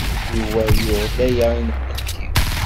Yuba yuɣ-d aya i nekkenti.